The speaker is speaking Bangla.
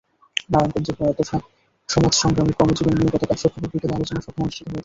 নারায়ণগঞ্জের প্রয়াত সাত সমাজসংগ্রামীর কর্মজীবন নিয়ে গতকাল শুক্রবার বিকেলে আলোচনা সভা অনুষ্ঠিত হয়েছে।